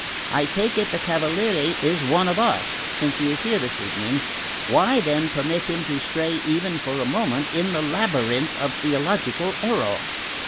I take it the Cavaliere is one of us, since he is here this evening: why, then, permit him to stray even for a moment in the labyrinth of theological error?"